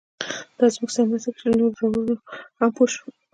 دا زموږ سره مرسته کوي چې نورو لوړو ژورو هم پوه شو.